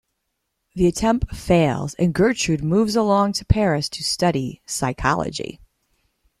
The attempt fails and Gertrud moves alone to Paris to study psychology.